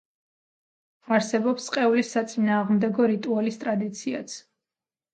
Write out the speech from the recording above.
არსებობს წყევლის საწინააღმდეგო რიტუალის ტრადიციაც.